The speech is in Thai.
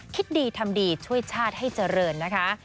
คิดดีทำดีช่วยชาติให้เจริญนะคะ